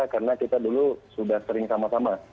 karena kita dulu sudah sering sama sama